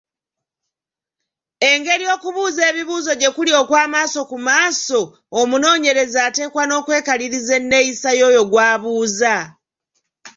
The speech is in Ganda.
Engeri okubuuza ebibuuzo gye kuli okw’amaaso ku maaso, omunoonyereza ateekwa n’okwekaliriza enneeyisa y’oyo gw’abuuza.